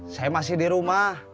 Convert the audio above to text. saya masih di rumah